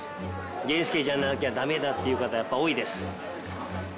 源助じゃなきゃダメだっていう方がやっぱり多いです。